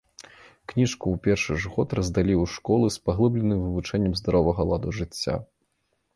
Кніжку ў першы ж год раздалі ў школы з паглыбленым вывучэннем здаровага ладу жыцця.